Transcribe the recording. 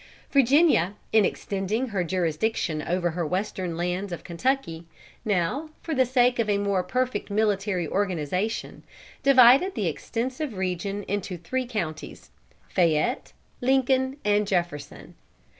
Virginia, in extending her jurisdiction over her western lands of Kentucky, now, for the sake of a more perfect military organization, divided the extensive region into three counties Fayette, Lincoln, and Jefferson.